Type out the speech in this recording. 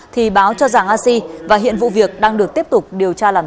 thì báo cho giàng a si và hiện vụ việc đang được tiếp tục điều tra làm rõ